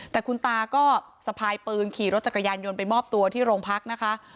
แต่คุณตาก็สะพายปืนขี่รถจักรยานยนต์ไปมอบตัวที่โรงพักนะคะ